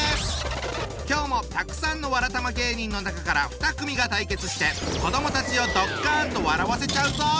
今日もたくさんのわらたま芸人の中から２組が対決して子どもたちをドッカンと笑わせちゃうぞ！